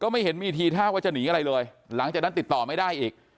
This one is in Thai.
ไม่เห็นมีทีท่าว่าจะหนีอะไรเลยหลังจากนั้นติดต่อไม่ได้อีก